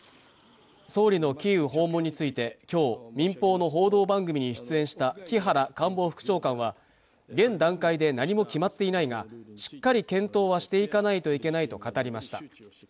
総理のキーウ訪問について、今日、民放の報道番組に出演した木原官房長官は現段階で何も決まっていないが、しっかり検討はしていかないといけないと語りました。